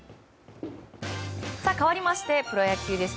かわりましてプロ野球です。